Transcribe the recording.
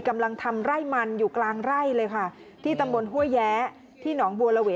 กำลังทำไร่มันอยู่กลางไร่เลยค่ะที่ตำบลห้วยแย้ที่หนองบัวระเว